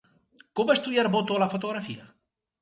Com va estudiar Boto la fotografia?